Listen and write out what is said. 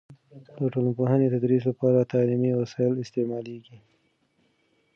د ټولنپوهنې د تدریس لپاره تعلیمي وسایل استعمالیږي.